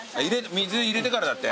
水入れてからだって。